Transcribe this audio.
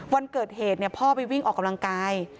วันเกิดเหตุพ่อไปวิ่งออกกำลังกาย